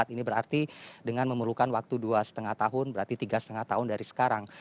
ini berarti dengan memerlukan waktu dua lima tahun berarti tiga lima tahun dari sekarang